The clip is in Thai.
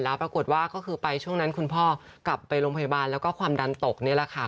แล้วปรากฏว่าก็คือไปช่วงนั้นคุณพ่อกลับไปโรงพยาบาลแล้วก็ความดันตกนี่แหละค่ะ